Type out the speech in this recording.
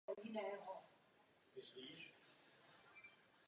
Po obou vnějších okrajích mostu vedou ještě dva odstavné pruhy.